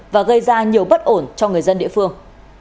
và gây ra nhiều bất ổn cho người dân địa phương